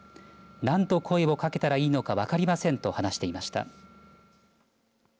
何と声をかけたらいいのか分かりませんと話していました。